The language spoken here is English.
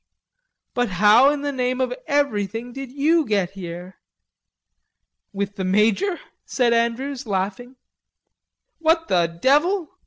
"But how in the name of everything did you get here?" "With the major?" said Andrews, laughing. "What the devil?"